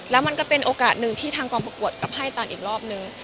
แล้วมันก็เป็นโอกาสหนึ่งที่ทางกองประกวดกลับไพ่ตันอีกรอบนึง